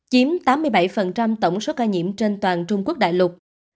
chiếm tám mươi bảy tổng số ca nhiễm trên toàn trung quốc đại lục